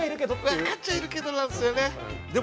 分かっちゃいるけどなんですよね。